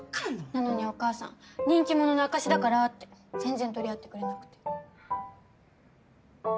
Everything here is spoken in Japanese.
なのにお母さん人気者の証しだからって全然取り合ってくれなくて。